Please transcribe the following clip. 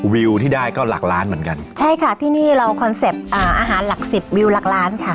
วิวที่ได้ก็หลักล้านเหมือนกันใช่ค่ะที่นี่เราคอนเซ็ปต์อ่าอาหารหลักสิบวิวหลักล้านค่ะ